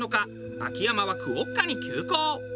秋山はクオッカに急行。